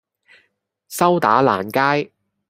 修打蘭街